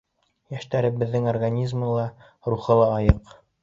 — Йәштәребеҙҙең организмы ла, рухы ла айыҡ.